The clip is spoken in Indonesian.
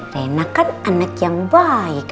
rena kan anak yang baik